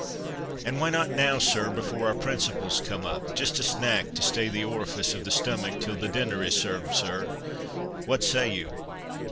—And why not now, sir, before our principals come up? Just a snack to stay the orifice of the stomach, till the dinner is served, sir? What say you?"